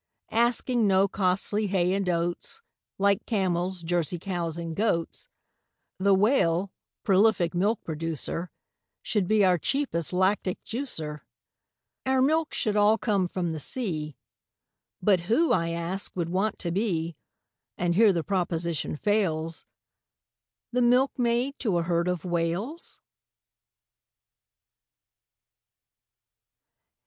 Asking no costly hay and oats, Like camels, Jersey cows, and goats, The Whale, prolific milk producer, Should be our cheapest lactic juicer. Our milk should all come from the sea, But who, I ask, would want to be, And here the proposition fails, The milkmaid to a herd of Whales?